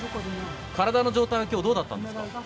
体の状態は今日、どうだったんですか？